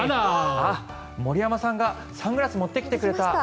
あっ、森山さんがサングラス持ってきてくれた。